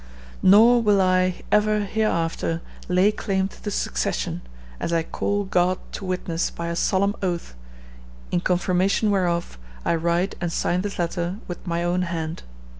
Nor will I ever hereafter lay claim to the succession, as I call God to witness by a solemn oath, in confirmation whereof I write and sign this letter with my own hand.